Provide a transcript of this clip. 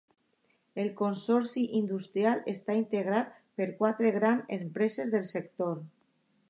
El consorci industrial està integrat per quatre grans empreses del sector.